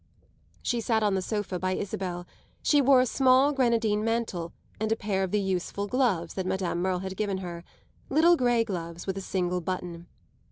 She sat on the sofa by Isabel; she wore a small grenadine mantle and a pair of the useful gloves that Madame Merle had given her little grey gloves with a single button.